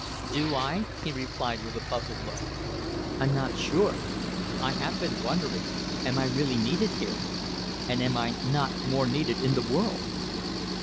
"Do I?" he replied, with a puzzled look. "I'm not sure. I have been wondering am I really needed here? And am I not more needed in the world?"